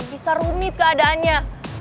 bisa rumit keadaannya